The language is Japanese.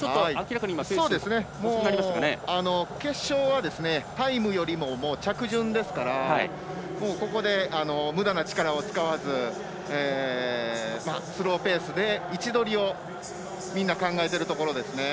決勝はタイムよりも着順ですからここでむだな力を使わずスローペースで位置取りをみんな考えているところです。